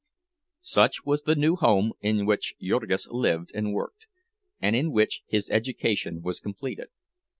Such was the new home in which Jurgis lived and worked, and in which his education was completed.